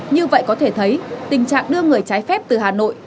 như vậy có thể thấy tình trạng đưa người trái phép từ hà nội